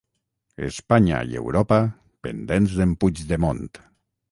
Espanya i Europa pendents d'en Puigdemont